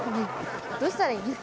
どうしたらいいんだ？